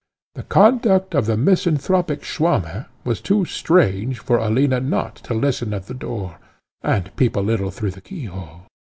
The conduct of the misanthropic Swammer was too strange for Alina not to listen at the door, and peep a little through the keyhole.